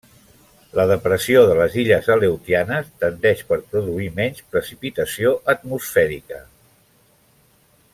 La depressió de les illes Aleutianes tendeix per produir menys precipitació atmosfèrica.